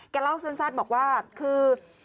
เล่าสั้นบอกว่าคือ